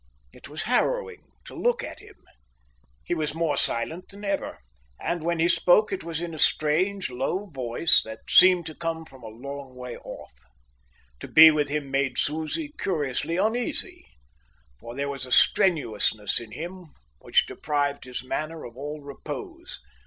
It was harrowing to look at him. He was more silent than ever, and when he spoke it was in a strange low voice that seemed to come from a long way off. To be with him made Susie curiously uneasy, for there was a strenuousness in him which deprived his manner of all repose.